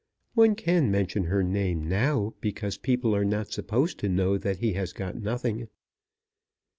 One can mention her name now because people are not supposed to know that he has got nothing.